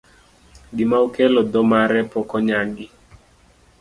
Gima okelo tho mare pok oyangi.